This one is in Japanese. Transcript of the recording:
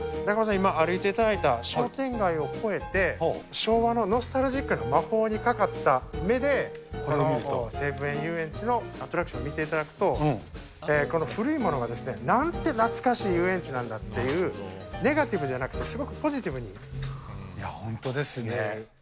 今、歩いていただいた商店街を越えて、昭和のノスタルジックな魔法にかかった目でこれを見ると、西武園ゆうえんちのアトラクション見ていただくと、この古いものが、なんて懐かしい遊園地なんだっていうネガティブじゃなくて、いや、本当ですね。